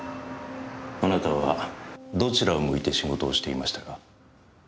あなたはどちらを向いて仕事をしていましたか？